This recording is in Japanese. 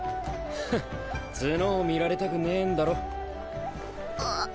フン角を見られたくねえんだろあ